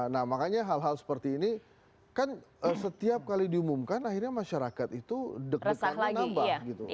nah makanya hal hal seperti ini kan setiap kali diumumkan akhirnya masyarakat itu deg degannya nambah gitu